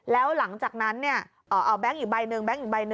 แล้วหลังจากนั้นเนี่ยเอาแบงค์อีกใบหนึ่ง